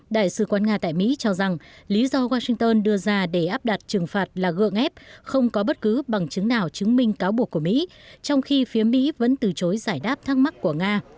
đại sứ quán nga tại mỹ cho rằng lý do washington đưa ra để áp đặt trừng phạt là gượng ép không có bất cứ bằng chứng nào chứng minh cáo buộc của mỹ trong khi phía mỹ vẫn từ chối giải đáp thắc mắc của nga